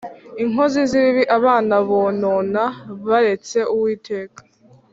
inkozi z’ibibi, abana bonona baretse Uwiteka